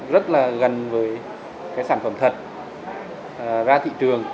rất là gần với cái sản phẩm thật ra thị trường